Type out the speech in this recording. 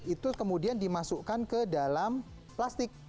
itu kemudian dimasukkan ke dalam plastik